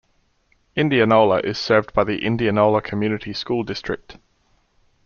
Indianola is served by the Indianola Community School District.